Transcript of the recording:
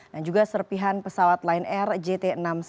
dan juga serpihan pesawat line r jt enam ratus sepuluh